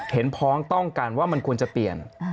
เห็นพร้องต้องการว่ามันควรจะเปลี่ยน